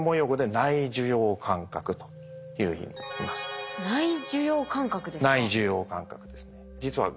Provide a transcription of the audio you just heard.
内受容感覚ですか？